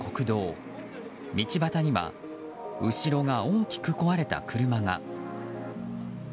道端には後ろが大きく壊れた車が。